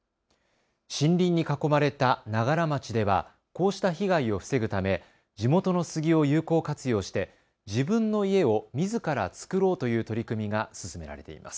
森林に囲まれた長柄町ではこうした被害を防ぐため地元の杉を有効活用して自分の家をみずから作ろうという取り組みが進められています。